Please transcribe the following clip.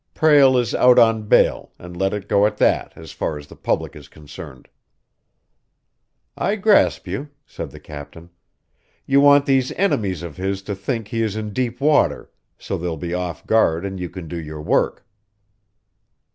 Prale is out on bail and let it go at that, as far as the public is concerned." "I grasp you," said the captain. "You want these enemies of his to think he is in deep water, so they'll be off guard and you can do your work."